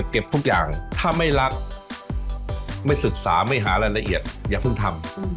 เก็บทุกอย่างถ้าไม่รักไม่ศึกษาไม่หารายละเอียดอย่าเพิ่งทำ